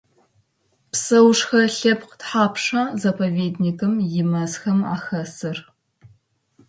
Псэушъхьэ лъэпкъ тхьапша заповедникым имэзхэм ахэсыр?